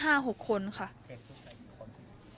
เป็นผู้ชายกี่คนผู้หญิงกี่คน